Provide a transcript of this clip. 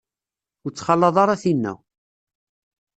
Ur ttxalaḍ ara tinna.